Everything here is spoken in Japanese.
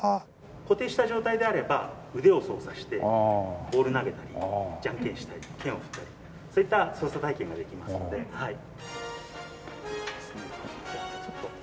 固定した状態であれば腕を操作してボール投げたりジャンケンしたり剣を振ったりそういった操作体験ができますのではい。